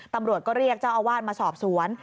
ตำรวจก็เรียกเจ้าอาวาสมาสอบสวน